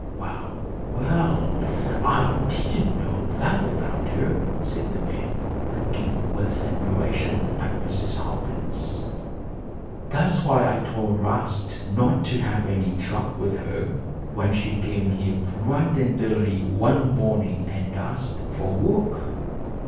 "Well, well! I didn't know that about her," said the man, looking with admiration at Mrs. Hopkins. "That's why I told 'Rast not to have any truck with her, when she came here bright and early one morning and asked for work."